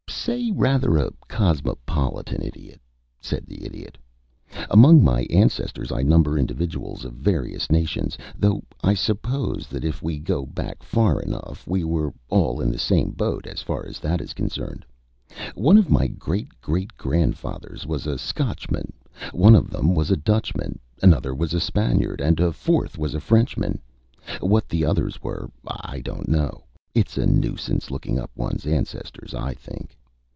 "Say rather a cosmopolitan Idiot," said the Idiot. "Among my ancestors I number individuals of various nations, though I suppose that if we go back far enough we were all in the same boat as far as that is concerned. One of my great great grandfathers was a Scotchman, one of them was a Dutchman, another was a Spaniard, a fourth was a Frenchman. What the others were I don't know. It's a nuisance looking up one's ancestors, I think.